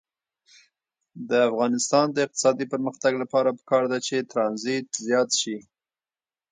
د افغانستان د اقتصادي پرمختګ لپاره پکار ده چې ترانزیت زیات شي.